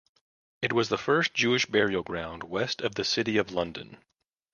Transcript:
It was the first Jewish burial ground west of the City of London.